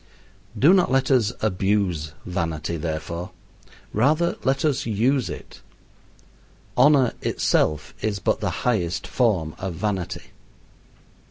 Do not let us abuse vanity, therefore. Rather let us use it. Honor itself is but the highest form of vanity.